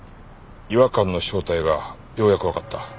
違和感の正体がようやくわかった。